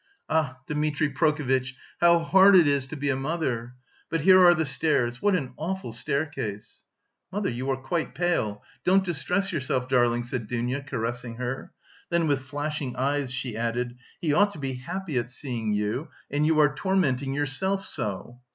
"Ah, Dmitri Prokofitch, how hard it is to be a mother! But here are the stairs.... What an awful staircase!" "Mother, you are quite pale, don't distress yourself, darling," said Dounia caressing her, then with flashing eyes she added: "He ought to be happy at seeing you, and you are tormenting yourself so."